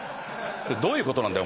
どういうことなんだよ